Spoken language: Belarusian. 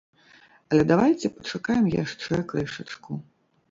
Але давайце пачакаем яшчэ крышачку.